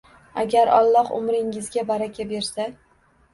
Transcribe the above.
Agar Alloh umringizga baraka bersa.